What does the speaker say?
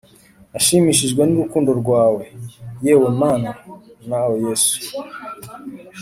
nashimishijwe n’urukundo rwawe, yewe mana nawe yesu